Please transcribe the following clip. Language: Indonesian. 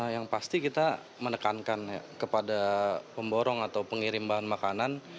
yang pasti kita menekankan kepada pemborong atau pengirim bahan makanan